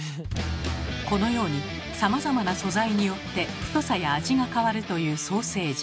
このようにさまざまな素材によって太さや味が変わるというソーセージ。